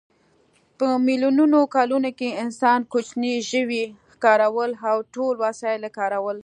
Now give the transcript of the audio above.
په میلیونو کلونو کې انسان کوچني ژوي ښکارول او ټول وسایل یې کارول.